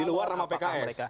di luar nama pks